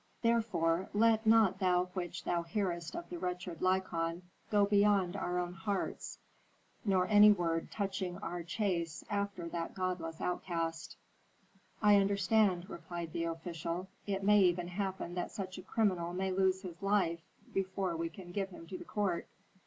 "Therefore let not that which thou hearest of the wretched Lykon go beyond our own hearts, nor any word touching our chase after that godless outcast." "I understand," replied the official. "It may even happen that such a criminal may lose his life before we can give him to the court."